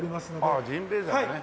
ああジンベエザメね。